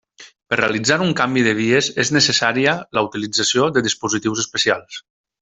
Per realitzar un canvi de vies és necessària la utilització de dispositius especials.